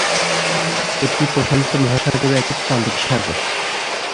এটি প্রশান্ত মহাসাগরের একটি প্রান্তিক সাগর।